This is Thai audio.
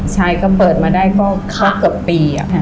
ใช่ก็เปิดมาได้ก็เกือบปีอะค่ะ